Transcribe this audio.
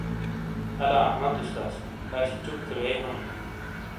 الہ احمد استاس اش چُک تھے بیۓ ہاؤں نے ۔